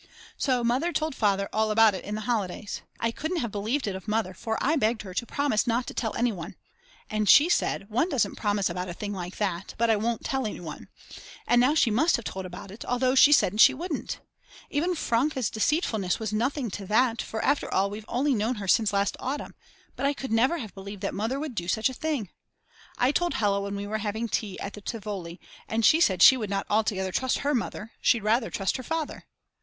So Mother told Father all about it in the holidays. I couldn't have believed it of Mother for I begged her to promise not to tell anyone. And she said: One doesn't promise about a thing like that; but I won't tell anyone. And now she must have told about it, although she said she wouldn't. Even Franke's deceitfulness was nothing to that for after all we've only known her since last autumn, but I could never have believed that Mother would do such a thing. I told Hella when we were having tea at the Tivoli and she said she would not altogether trust her mother, she'd rather trust her father.